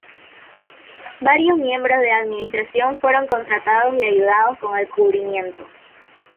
Varios miembros de la administración fueron contratados y ayudados con el cubrimiento.